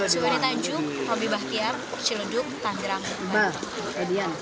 suwedi tanjuk romi bahtiam celeduk tangerang balik